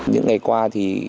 những ngày qua thì